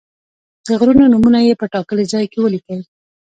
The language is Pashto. د غرونو نومونه یې په ټاکلي ځای کې ولیکئ.